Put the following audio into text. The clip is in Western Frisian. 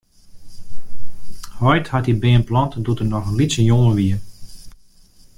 Heit hat dy beam plante doe't er noch in lytse jonge wie.